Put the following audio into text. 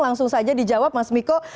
langsung saja dijawab mas miko